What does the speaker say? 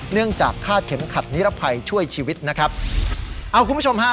เนื่องจากคาดเข็มขัดนิรภัยช่วยชีวิตนะครับเอาคุณผู้ชมฮะ